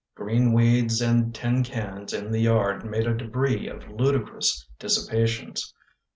Green weeds and tin cans in the yard Made a debris of ludicrous dissipations.